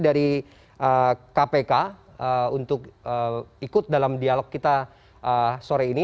dari kpk untuk ikut dalam dialog kita sore ini